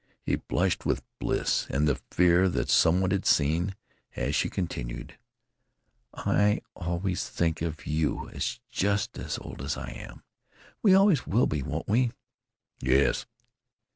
He blushed with bliss, and the fear that some one had seen, as she continued: "I always think of you as just as old as I am. We always will be, won't we?" "Yes!"